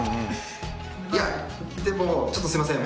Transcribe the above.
いやでもちょっとすいません